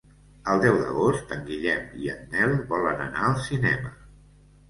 El deu d'agost en Guillem i en Nel volen anar al cinema.